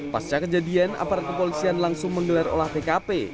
pasca kejadian aparat kepolisian langsung mengelar olah pkp